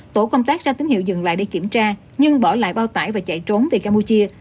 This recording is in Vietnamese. tổ công tác ra tín hiệu dừng lại để kiểm tra nhưng bỏ lại bao tải và chạy trốn về campuchia